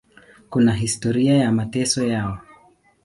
Kuna historia ya mateso yao.